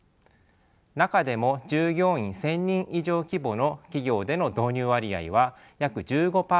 中でも従業員１，０００人以上規模の企業での導入割合は約１５％まで増えました。